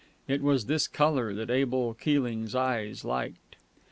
It was this colour that Abel Keeling's eyes liked.